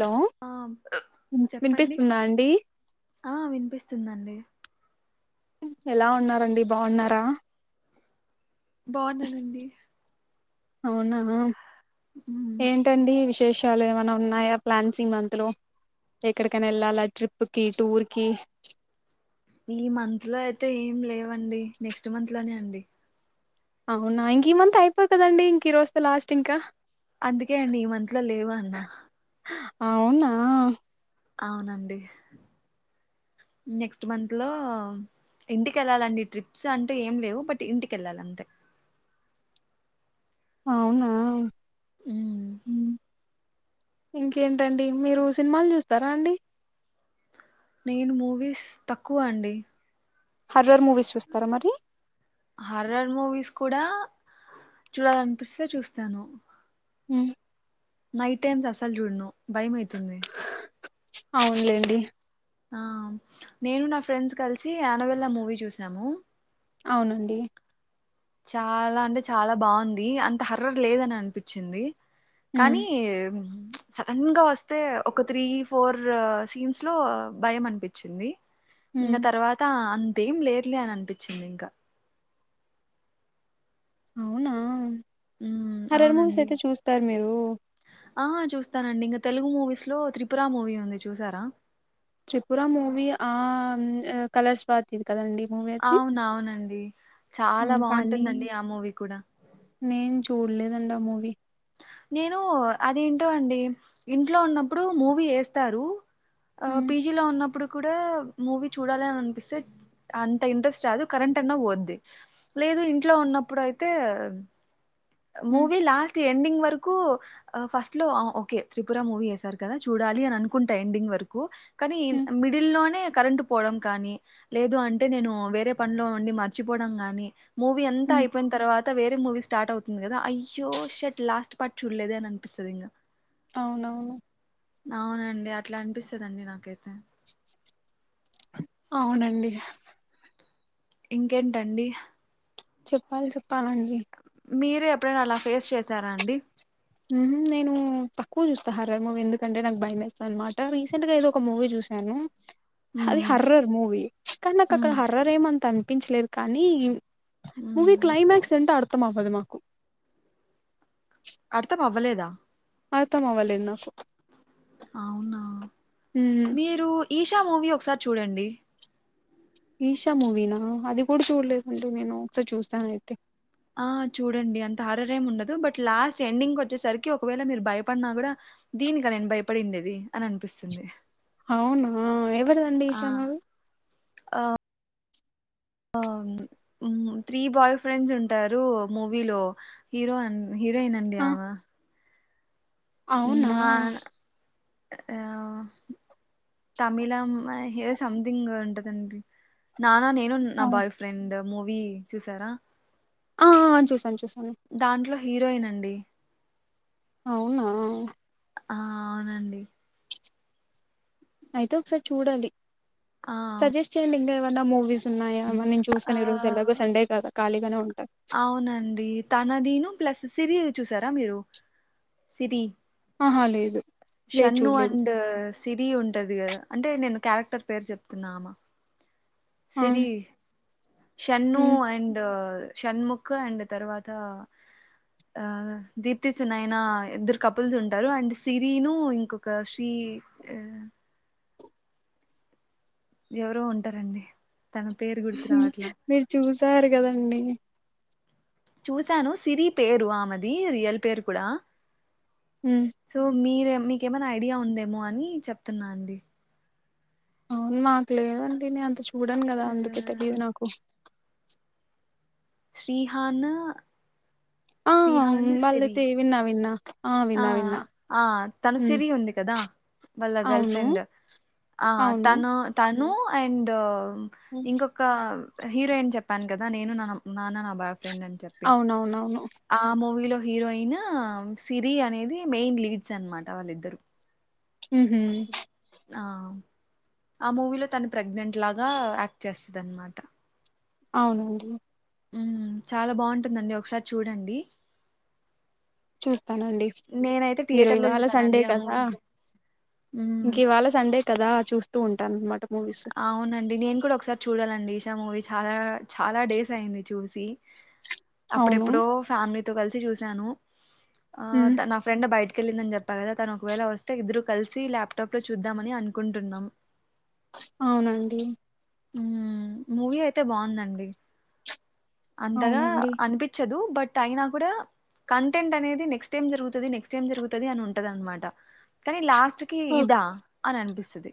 Hello ఆ చెప్పండి వినిపిస్తుందా అండి ఆ విన్పిస్తుందండి ఎలా ఉన్నారండి బావున్నారా బావున్నానండి బావున్నాను మ్మ్. ఏంటండి విష్ విశేషాలు ఏమైన్నా ఉన్నాయా ప్లాన్సీమంత్ లో ఎక్కడికైనా ఎళ్ళాలా ట్రిప్ కి టూర్ కి ఈ మంత్ లో అయితే ఏం లేవండి నెక్స్ట్ మంత్ లోనే అండి అవునా ఇంక ఈ మంత్ అయిపోతదండీ ఇంక ఈరోజ్తో లాస్ట్ అండి ఇంకా అందుకే అండి ఈ మంత్ లో లేవు అన్న అవునా అవునండి నెక్స్ట్ మంత్ లో ఇంటికి వెళ్ళాలండి. ట్రిప్స్ అంటూ ఏం లేవు బట్ ఇంటికి వెళ్ళాలి అంతే అవునా హ్మ్ ఇంకేంటండి మీరు సినిమాలు చూస్తారా అండి నేను మూవీస్ తక్కువ అండి హార్రర్ మూవీస్ చూస్తారా మరి హర్రర్ మూవీస్ కూడా చూడాలనిపిస్తే చూస్తాను హ్మ్ నైట్ టైమ్స్ అసల్ చూడ్ను భయం ఐవుతుంది అవునులేండి ఆ నేను నా ఫ్రెండ్స్ కలిసి యానవెల్ల మూవీ చూసాము అవునండి చాలా అంటే చాలా బాగుంది అంత హార్రర్ లేదనే అన్పించింది హ్మ్, కానీ ప్చ్ సడన్ గా వస్తే ఒక త్రీ ఫోర్ సీన్స్ లో భయం అనిపించింది హ్మ్. ఇంకా తర్వాత అంన్ తేం లెద్లే అని అనిపించింది ఇంకా అవునా ఉమ్, హార్రర్ మూవీస్ అవునండి అయితే చూస్తారు మీరు ఆ చూస్తానండి ఇంక తెలుగు మూవీస్ లో త్రిపుర మూవీ ఉంది చూసారా త్రిపుర మూవీ ఆ మ్మ్ కలర్స్ స్వాతిది కదండి మూవీ అది అవ్నా అవునండి చాలా హ్మ్. కానీ బాగుంటుందండి ఆ మూవీ కూడా టుడ్లేదండి ఆ మూవీ నేను అది ఏంటో అండి ఇంట్లో ఉన్నప్పుడు మూవీ వేస్తారు ఆ హ్మ్ పీజీలో ఉన్నప్పుడు కూడా మూవీ చూడాలి అని అనిపిస్తే అంత ఇంట్రెస్ట్ రాదు కరెంట్ అన్నా పోద్ది లేదు ఇంట్లో ఉన్నప్పుడు అయితే హ్మ్ మూవి లాస్ట్ ఎండింగ్ వరక్ కు ఆ ఫస్ట్ లో ఓకే త్రిపుర మూవీ వేసారు కదా చూడాలి అని అనుకుంటే ఎండింగ్ వరకు కానీ హ్మ్ మిడిల్ లోనే కరెంటు పోవడం కానీ లేదు అంటే నేను వేరే పనులో ఉండి మర్చిపోవడం కానీ మూవీ అంతా హ్మ్ అయిపోయిన తర్వాత్ వేరే మూవీ స్టార్ట్ అవుతుంది కదా అయ్యో షట్ లాస్ట్ పార్ట్ చూడ్లేదే అని అనిపిస్తా ఇంకా అవునవును అవునండి అట్లా అనిపిస్తదండి నాకైతే అవునండి ఇంకేంటండి చెప్పాలి చెప్పాలండి మీరు ఎప్పుడైనా అలా ఫేస్ చేసారా అండి హుమ్మ్ నేను తక్కువ చూస్తా హరర్ మూవీ ఎందుకంటే, నాకు భయమేస్తా అనమాట. రీసెంట్ గా ఏదో ఒక మూవీ చూశాను. అది ఉమ్ హర్రర్ మూవీ కాని నాకు అక్కడ ఉమ్ హర్రర్ ఏం అంత ఆన్ తప్పించలేరు కానీ ఇం మూవి ఉమ్ క్లైమాక్స్ ఎంటో అర్ మొత్తమాపదమాకు అర్థం అవ్వలేదా అర్థం అవ్వలేదు నాకు అవునా హ్మ్ మీరు ఈషా మూవీ ఒకసారి చూడండి ఈషా మూవీ నా అది కూడా చూడలేదండి నేను ఒకసారి చూస్తాన అయితే ఆ చూడండి. అంత హార్రర్ ఏం ఉండదు. బట్ లాస్ట్ ఎండింగ్ కి వచ్చేసరికి ఒకవేళ మీరు భయపడినా కూడా, దీనిక నేను భయపడిండేది అని అనిపిస్తుంది. అవునా ఎక్కడనండి ఈశామ ఆ ఆమ్ త్రీ బాయ్ ఫ్రెండ్స్ ఉంటారు మూవీలో హీరో అన్ హీరోయిన్ అండి ఆ ఆమె అవునా నా ఆ తమిళం ఏదో సంతింగ్ ఉంటదండీ నానా నే ను నా అవు బాయ్ ఫ్రెండ్ మూవీ చూసారా ఆ చూసం చూస్ దాంట్లో హీరోయిన్ అండి అవునా ఆ అవునండి అయితే ఒకసారి చూడాలి ఆ సజెస్ట్ చేయండి ఇంగా మూవీస్ ఉన్నాయా ఏమైనా నేను చూస్తాను. ఈ రోజు ఎల్లాగో సండే ఆ కదా ఖాళీగానే ఉంటాను. అవునండి తనదీను ప్లస్ సిరి చూసారా మీరు సిరి ఆహా లేదు లేదు షన్ను చూడలేదు అండ్ సిరి ఉంటది కదా అంటే నేను క్యారెక్టర్ పేరు చెప్తున్న ఆమ ఆ హ్మ్. సిరీ షన్నూ అండ్ షణ్ముఖ్ అండ్ తర్వాత ఆ దీప్తి సునయన ఇద్దరు కపుల్స్ ఉంటారు అండ్ సిరిను ఇంకొక శ్రీ ఎవరో ఉంటరండి మీరు చూసారు కదండీ చూశాను సిరీ పేరు ఆమెది రియల్ పేరు కూడా సో మీర మీకేమైనా ఐడియా ఉందేమో అని చెప్తున్నా అండి అవును మాక్లేదండి నేన్ అంత చూ చూడన్ కదా ఆ అందుకే తెలీదు నాకు శ్రీహాను ఆ వాళ్ళతి విన్నా విన్నా ఆ విన్నా విన్నా ఆ తను హ్మ్. సిరి ఉంది కదా వాళ్ళ గర్ల్ అవును ఫ్రెండ్ ఆ అవును తను తన్ నూ అండ్ మ్మ్ హ్మ్. ఇంకొకా హీరోయిన్ చెప్పాను కదా నేను నా నాన్న నా బాయ్ ఫె ఫ్రెండ్ అని చెప్పి అవునవునవును ఆ మూవీలో హీరోయిన్ స్ సిరీ అనేది మెయిన్ లీడ్స్ అన్నమాట వాళ్ళిద్దరు మ్మ్ హ్మ్ ఆ ఆ మూవీలో తను ప్రెగ్నెంట్ లాగా యాక్ట్ చేస్తదన్నమాట అవునండి మ్మ్ చాలా బాగుంటుందండి ఒకసారి చూడండి చూస్తానండి నేనైతే మీరు థియేటర్‌లో ఇవాళ జూసానండి సండే ఆ కదా మూవీ. హ్మ్. ఇంకివాళ సండే కదా చూస్తూ ఉంటానన్నమాట అవునండి నేను కూడా ఒకసారి చూడాలండి ఇష్ తా మూవీ చాలా చాలా డేస్ అయింది చూసి అవును అప్పుడెప్పుడో ఫ్యామిలీత్ తో కలిసి చూశాను ఆ హ్మ్. తనా ఫ్రెండ్ బయట్ తీకెళ్ళిందని చెప్ప కదా తను ఒకవేళ వస్తే ఇద్దరు కలిసి ల్యాప్టాప్ లో చూద్దామని అనుకుంటున్నాం అవునండీ మ్మ్ మూవీ అయితే బాగుందండి అంతగా అవునండి అనిపిచ్చదు బట్ అయినా కూడా కంటెంట్ అనేది నెక్స్ట్ ఏమ్ జరుగుతది నెక్స్ట్ ఏం జరుగుతది అని ఉంటది అనమాట కానీ లాస్ట్ చికి ఓ ఇదా అని అనిపిస్తుంది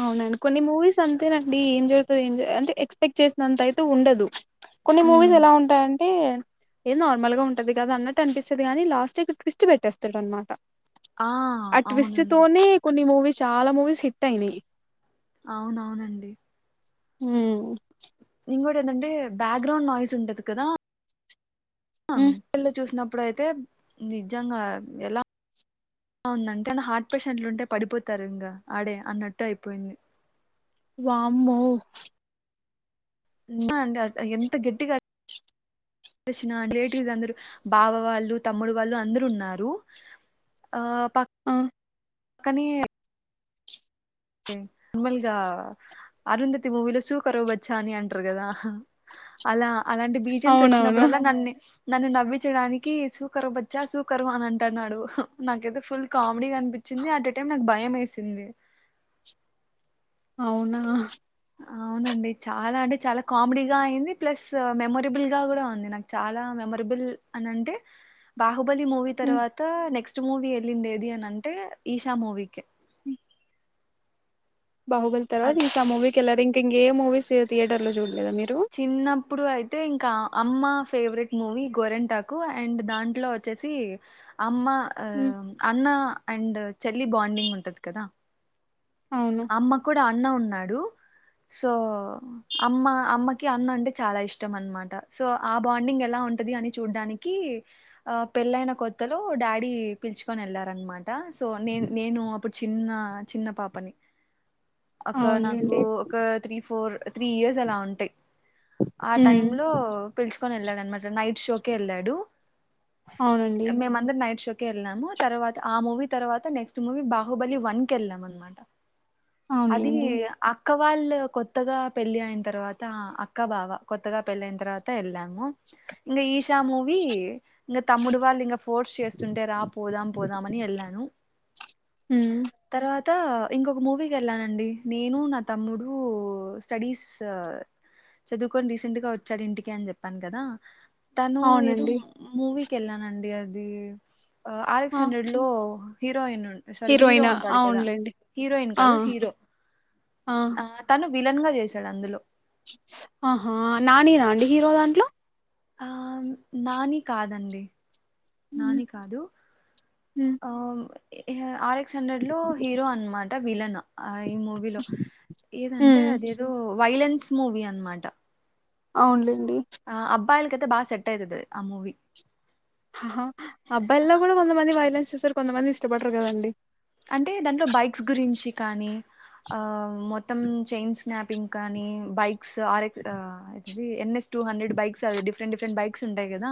అవునండి కొన్ని మూవీస్ అంతేనండి, ఏం జరుగుతుంది ఏం అంటే ఎక్స్పెక్ట్ చేసినంత అయితే ఉండదు. కొన్ని మూవీస్ ఉమ్ ఎలా ఉంటాయ అంటే ఏం నార్మల్ గా ఉంటది కదా అన్నట్టు అనిపిస్తుది గాని లాస్ట్ ట్విస్ట్ పెట్టేస్తాడు అనమాట ఆ ట్విస్ట్ అవునండి తోనే కొన్ని మూవీ చాలా మూవీస్ హి ట్ అయినాయ్ అవునవునండి మ్ ఇంకోటి ఏంటంటే బ్యాగ్గ్రౌండ్ నయ్స్ ఉంటది కదా పిల్ల చూసినప్ అప్పుడైతే నిజంగా ఎలా ఉందంటే హార్ట్ పేషెంట్లు ఉంటే పడిపోతారు ఇంకా ఆడే అన్నట్టు అయిపోయింది. వామ్మో అండి ఎంత గట్టిగా రిలేటివ్స్ అందరు బాబ వాళ్ళు తమ్ముడు వాళ్ళు అందరు ఉన్నారు ఆ ఆ కానీ నార్మల్గా అరుంధతి మూవీలో సుకరోవ బచ్చా అని అంటారు కదా అలా అలాంటి బీజమ్స్ అవునవును వచ్చినప్పుడల్లా న్నన్ని నన్ను నవ్వించడానికి సూకరు బచ్చా సూకరు అని అంటున్నాడు, నాకైతే ఫుల్ కామెడీ అనిపించింది అట్ టైం నాకు భయం వేసింది. అవునా అవునండి చాలా అంటే చాలా కామెడీ గా అయింది ప్లస్ మెమొరబుల్ గా కూడా ఉంది నాకు చాలా మెమొరబుల్ అని అంటే బా హుబలి మూవీ హ్మ్. తర్వాత నెక్స్ ట్ మూవీ వెళ్ళిండేది అని అంటే ఈషా మూవీ కే బాహుబలి అది తర్వాత ఈషా మూవీకి వెళ్ళారిం తింగే ఏ మూవీస్ థియటర్ లో జూల్ చిన్నప్పుడు అయితే ఇం కా అమ్మ ఫేవరెట్ మూవీ గోరింటాకు అండ్ దాంట్లో వచ్చేసి అమ్మ ఆ అన్నా అండ్ చెల్లి బాండింగ్ ఉంటది కదా అవును అమ్మ కూడా ఆ అన్న ఉన్నాడు సో అమ్మ అమ్మకి అన్న అంటే చాలా ఇష్టం అనమాట, సో ఆ బాండింగ్ ఎలా ఉంటది అని చూడ్డానికి ఆ పెళ్ళైన కొత్తలో డాడీ పిలుచుకొని వెళ్ళారనమా ట సో నే నేను అప్పుడు చిన్న చిన్న పాపని అక్క నాకు అవునులేండి ఒక త్రీ ఫోర్ త్రీ ఇయర్స్ అలా ఉంటాయ్ ఆ టైం ఉమ్ లో పిలుచుకొని వెళ్ళాడు అనమాట నైట్ షో కెళ్ళాడు అవునండి మేమ అందరు నైట్ షో కె వెళ్ళాము తర్వాత ఆ మూవీ తర్వాత నెక్స్ట్ మూవీ బాహుబలి వన్ క వెళ్ళాం అనమాట అది అవునులేండి అక్క వాళ్ళు కొత్తగా పెళ్ళి అయిన తర్వాత అక్క బావ కొత్తగా పెళ్ళ అయిన తర్వాత వెళ్ళాము ఇంకా ఈశా మూవీ ఇంకా తమ్ముడు వాళ్ళు ఇంకా ఫోర్స్ చేస్తుంటే రా పోదాం పోదాం అని ఎల్లాను ఉమ్ తర్వాత త ఇంకొక మూవీకి వెళ్ళానండి నేను నా తమ్ముడు స్టడీస్ చదువుకొని రీసెంట్ గా వచ్చాడు ఇంటికి అని చెప్పాను కదా తను ఏదో అవునండి మూవి కెల్లానండి అది ఆర్ ఎక్స్ హండ్రెడ్ లో హీరోయిన్ ఉన్ హీరోయినా అవునులెండి హీరోయిన్ కాదు హీరో ఆ తను విలన్ గా చేశాడు అందులో ఆహా నాని ఆ అండి హీరో దాంట్లో ఆ నాని కాదండి ఉమ్ నాని కాదు ఉమ్ ఆ ఏ ఆర్ ఎ ఎక్స్ హండ్రెడ్ లో హీరో అనమాట విలన్ ఈ మూవీ లో ఏదంటే ఉమ్ అదేదో వైలెన్స్ మూవీ అనమాట అవునులే ఆ అబ్బాయిలకయితె బాగా సెట్ అయతదిది ఆ మూవి ఆహా అబ్బాయిల్లో కూడా కొంతమంది వైలెన్స్ చూసారు కొంతమంది ఇష్టపడరు కదండి అంటే దాంట్లో బైక్స్ గురించి కానీ ఆ మొత్తం చైన్ స్నాపింగ్ కానీ బైక్ క్స్ ఆర్ ఎక్ అది N S two hundred bikes అవి డిఫరెంట్డిఫరెం బైక్స్ ఉంటయి కదా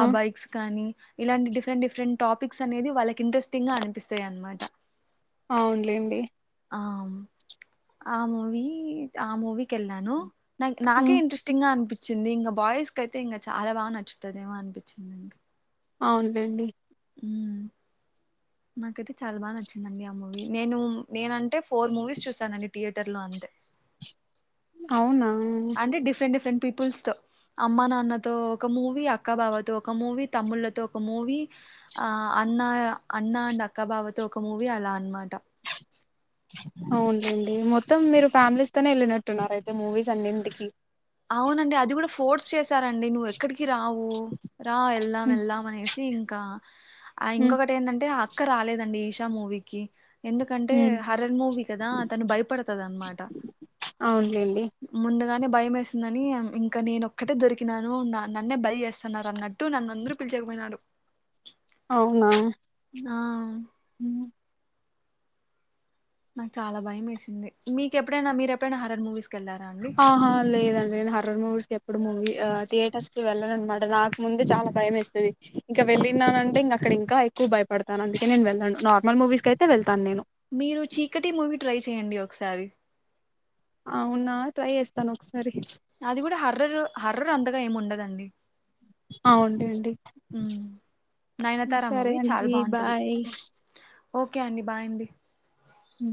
ఆ బైక్స్ కానీ ఇలాంటి డిఫెట్ డిఫరెంట్ టాపిక్స్ననేది వాళ్ళకి ఇంట్రెస్టిన్గా అనిపిస్తుంది తే అనమాట అవునులేండి ఆ ఆ మూవి ఆ మూవి కెల్నాను నా నాకే ఉమ్ ఇంట్రెస్టింగా అనిపించ్ వచ్చింది ఇకా బాయ్స్ కయితే ఇంక చాలా బాగా నచ్చుతుదేమో అనిపించింది అవునులేండి హ్మ్మ్ నాకైతే చాలా బాగా నచ్చిందండి ఆ మూవీ నేను నేనంటే ఫోర్ మూవీస్ చూసానండి థియేట్ టర్లు అంది అవునా అంటే డిఫరెంట్ డిఫరెంట్ పీపుల్స్ తో అమ్మ నాన్నతో ఒక మూవీ అక్కాబావాతో ఒక మూవీ తమ్ముళ్లతో ఒక మూవీ ఆ అన్న అన్న అండ్ అక్కాబావతో ఒక మూవీ అలా అనమాట అవునండి మొత్తం మీరు ఫ్యామిలీస్ తోనే వెళ్ళినట్టున్నారు అయితే మూవీస్ అన్నింటికి అవునండి అది కూడా ఫోర్స్ చేశారండి నువ్వు ఎక్కడికి కి రావు రా ఎల్దం ఉ ఎల్దం అనేసి ఇంకా ఆ హ్మ్ ఇంకొకటి ఏందంటే అ క్క రాలేదండి ఈషా మూవీకి ఎందుకంటే హ్మ్ హర్రర్ మూవీ కదా తను భయపడుతది అన్మాట అవునులేండి ముందుగా నే భయమేస్ తుందని ఇంకా నేను ఒక్కటే దొరికినాను నన్నే బై చేస్సన్నారు అన్నట్టు నన్ను అందరూ పిలిచేకిపోయినారు. అవునా ఆవున్ మ్ నాకు చాలా భయం వేసింది మీకు ఎప్పుడైనా మీరు ఎప్పుడైనా హర్రర్ మూవీస్ ఆహా లేదండి నేను హార్రర్ మూవీస్ కి ఎప్పుడు మూవీ ఆ థియేటర్స్ కి వెళ్ళను అనమాట నాకు ముందు చాలా భయం వేస్తది. ఇంక వెళ్ళినానంటే ఇంగ అక్కడ ఇంకా ఎక్కువ భయపడతాను అందుకే నేను వెళ్ళను. నార్మల్ మూవీస్ కి అయితే వెళ్ మీరు చీకటి మూవీ ట్రై చేయండి ఒకసారి అవునా ట్రై చేస్తాను ఒకసారి అది కూడా హర్రరు హర్ర్ రు అంతగా ఏమి ఉండదండి అవునులేండి ఉమ్. మ్మ్ నయనతార సరే మూవీ చాలా అండి బాగుంటది బాయ్. ఓకే అండి బాయ్ అండి ఊ